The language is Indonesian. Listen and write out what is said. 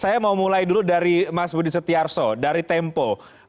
saya mau mulai dulu dari mas budi setiarso dari tempo